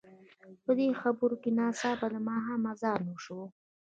په دې خبرو کې ناڅاپه د ماښام اذان وشو.